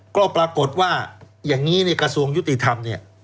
ก็ปรากฏว่าอย่างนี้กระทรวงยุติธรรม